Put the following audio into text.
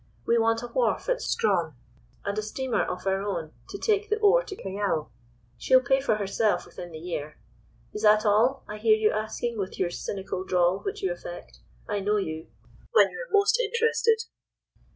We want a wharf at Strahan and a steamer of our own to take the ore to Callao. She'll pay for herself within the year. Is that all? I hear you asking with your cynical drawl, which you affect, I know you, when you're most interested.